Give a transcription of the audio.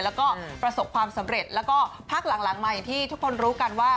แล้วก็ประสบความสำเร็จแล้วก็พักหลังมาอย่างที่ทุกคนรู้กันว่า